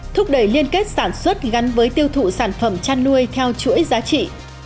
thúc đẩy liên kết sản xuất gắn với tiêu thụ sản phẩm chăn nuôi theo chuỗi giá trị